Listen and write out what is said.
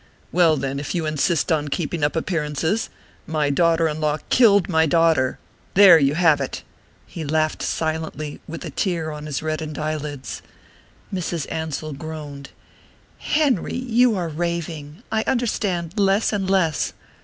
"Well, then, if you insist on keeping up appearances my daughter in law killed my daughter. There you have it." He laughed silently, with a tear on his reddened eye lids. Mrs. Ansell groaned. "Henry, you are raving I understand less and less."